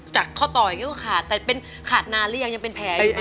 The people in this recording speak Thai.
จากข้อต่ออีกก็ขาดได้ขาดนานหรือยังยังเป็นแผลง